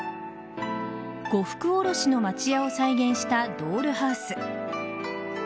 呉服卸の町家を再現したドールハウス。